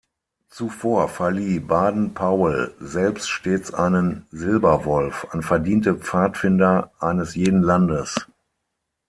Zuvor verlieh Baden-Powell selbst stets einen "Silber Wolf" an verdiente Pfadfinder eines jeden Landes.